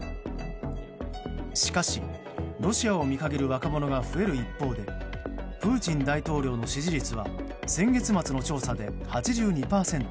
しかし、ロシアを見限る若者が増える一方でプーチン大統領の支持率は先月末の調査で８２％。